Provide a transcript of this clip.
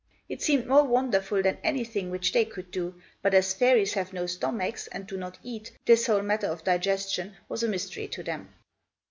It seemed more wonderful than anything which they could do, but as fairies have no stomachs and do not eat, this whole matter of digestion was a mystery to them.